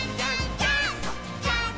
ジャンプ！！」